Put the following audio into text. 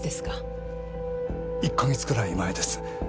１カ月くらい前です。